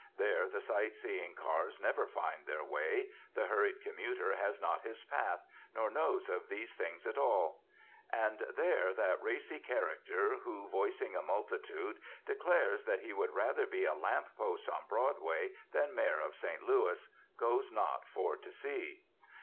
There the sight seeing cars never find their way; the hurried commuter has not his path, nor knows of these things at all; and there that racy character who, voicing a multitude, declares that he would rather be a lamp post on Broadway than Mayor of St. Louis, goes not for to see.